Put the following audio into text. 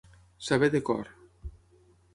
Saber de cor.